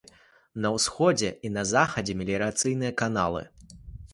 На ўсходзе і захадзе меліярацыйныя каналы.